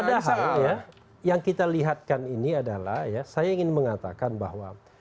padahal ya yang kita lihatkan ini adalah ya saya ingin mengatakan bahwa